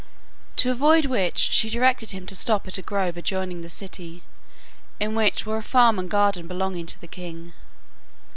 To avoid which she directed him to stop at a grove adjoining the city, in which were a farm and garden belonging to the king.